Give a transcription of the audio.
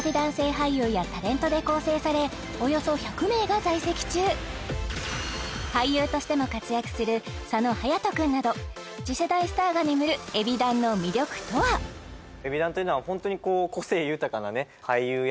俳優やタレントで構成されおよそ１００名が在籍中俳優としても活躍する佐野勇斗くんなど次世代スターが眠るＥＢｉＤＡＮの魅力とはでございます